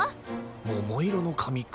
ももいろのかみか。